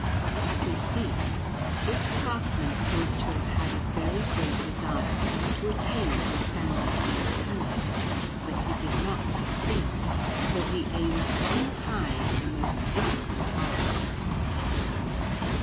From what we see, this craftsman appears to have had a very great desire to attain to the standard of Donatello; but he did not succeed, for he aimed too high in a most difficult art.